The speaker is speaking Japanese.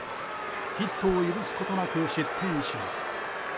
ヒットを許すことなく失点します。